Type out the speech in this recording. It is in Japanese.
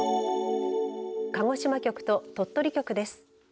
鹿児島局と鳥取局です。